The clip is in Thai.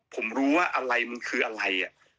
ผมรู้ว่ามันคืออะไร